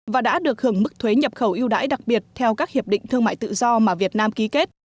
và đã được hưởng mức thuế nhập khẩu yêu đãi đặc biệt theo các hiệp định thương mại tự do mà việt nam ký kết